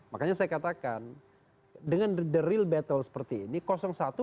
makanya saya katakan dengan the real battle seperti ini satu